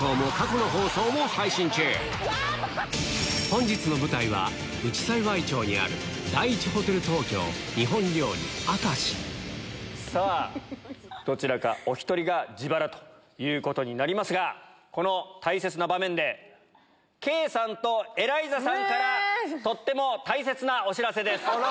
本日の舞台は内幸町にあるさぁどちらかお１人が自腹ということになりますがこの大切な場面で圭さんとエライザさんからとっても大切なお知らせです。